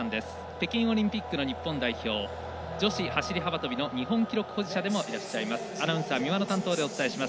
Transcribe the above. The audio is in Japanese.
北京オリンピックの日本代表女子走り幅跳びの日本記録保持者でもあります。